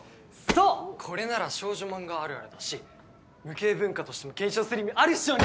そうこれなら少女漫画あるあるだし無形文化としても検証する意味あるっしょ？